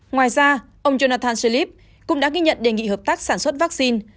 ngoài ra ông jonathan slip cũng đã ghi nhận đề nghị hợp tác sản xuất vaccine